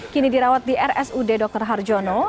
kini dirawat di rsud dr harjono